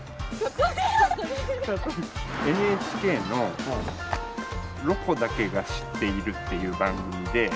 ＮＨＫの「ロコだけが知っている」っていう番組で。